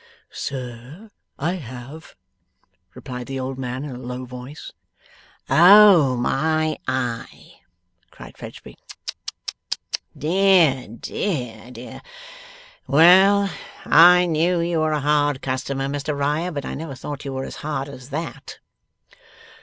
'Sir, I have,' replied the old man in a low voice. 'Oh my eye!' cried Fledgeby. 'Tut, tut, tut! Dear, dear, dear! Well! I knew you were a hard customer, Mr Riah, but I never thought you were as hard as that.